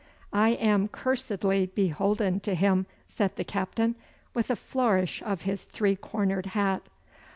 'I am cursedly beholden to him,' said the captain, with a flourish of his three cornered hat.